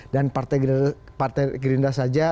dan partai gerinda saja